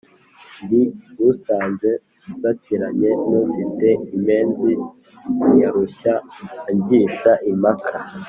Ndi usanze nsakiranye n'ufite impenzi ntiyarushya angisha impaka